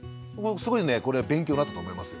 すごいねこれは勉強になったと思いますよ。